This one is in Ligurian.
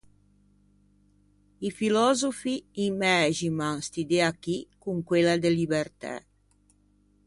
I filòsofi inmæximan st’idea chì con quella de libertæ.